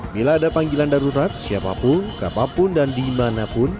bila ada panggilan darurat siapapun kapanpun dan dimanapun